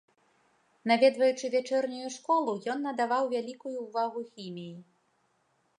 Наведваючы вячэрнюю школу, ён надаваў вялікую ўвагу хіміі.